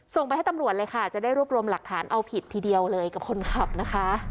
ส่งไปให้ตำรวจเลยค่ะจะได้รวบรวมหลักฐานเอาผิดทีเดียวเลยกับคนขับนะคะ